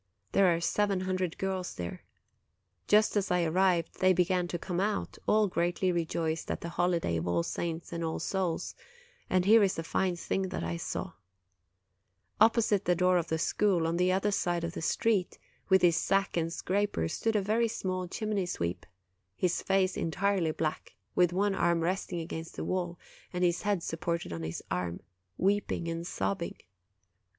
There are seven hundred girls there. Just as I arrived, they began to come out, all greatly rejoiced at the holiday of All Saints and All Souls; and here is a fine thing that I saw: Opposite the door of the school, on the other side of the street, with his sack and scraper, stood a very small chimney sweep, his face entirely black, with one arm resting against the wall, and his head supported on his arm, weeping and sobbing.